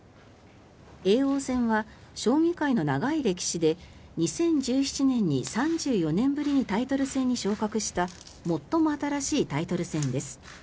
叡王戦は将棋界の長い歴史で２０１７年に３４年ぶりにタイトル戦に昇格した最も新しいタイトル戦です。